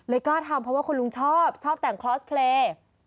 กล้าทำเพราะว่าคุณลุงชอบชอบแต่งคลอสเพลย์